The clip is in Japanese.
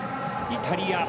イタリア。